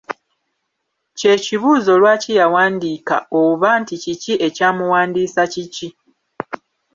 Kye kibuuzo lwaki yawandiika oba nti kiki ekyamuwandiisa kiki?